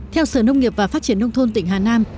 theo sở nông nghiệp và phát triển nông thôn tỉnh hà nam